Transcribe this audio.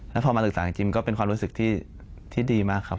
แล้วพอมาศึกษาจริงก็เป็นความรู้สึกที่ดีมากครับ